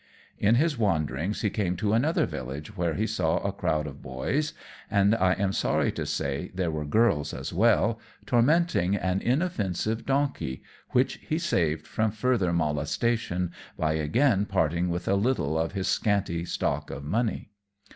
In his wanderings he came to another village where he saw a crowd of boys, and, I am sorry to say, there were girls as well, tormenting an inoffensive donkey, which he saved from further molestation by again parting with a little of his scanty stock of money.